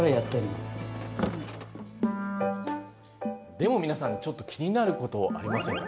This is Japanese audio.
でも皆さん、ちょっと気になることありませんか？